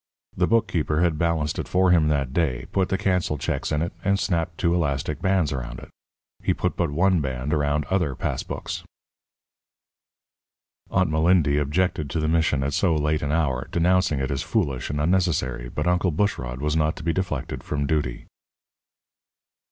The bookkeeper had balanced it for him that day, put the cancelled checks in it, and snapped two elastic bands around it. He put but one band around other pass books. Aunt Malindy objected to the mission at so late an hour, denouncing it as foolish and unnecessary, but Uncle Bushrod was not to be deflected from duty.